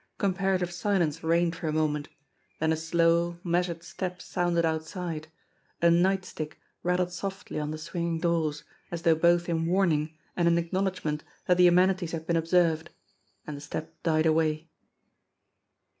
Com parative silence reigned for a moment, then a slow, measured step sounded outside, a night stick rattled softly on the swinging doors, as though both in warning and in acknowl edgment that the amenities had been observed, and the step died away.